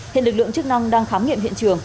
hiện lực lượng chức năng đang khám nghiệm hiện trường